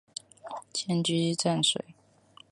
迁居蕲水。